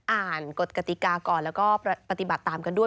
กฎกติกาก่อนแล้วก็ปฏิบัติตามกันด้วย